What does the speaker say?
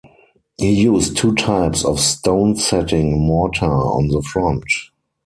He used two types of stone-setting mortar on the front.